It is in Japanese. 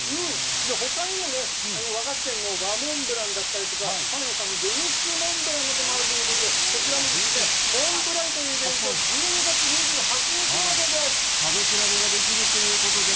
で、ほかにもね、和菓子店の和モンブランだったりとか、パン屋さんのデニッシュモンブランなんかもあるということで、こちらのもんぶらりというイベント、１２月２８日まで楽しめるということです。